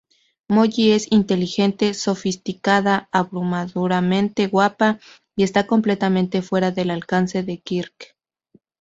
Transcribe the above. Molly es inteligente, sofisticada, abrumadoramente guapa, y está completamente fuera del alcance de Kirk.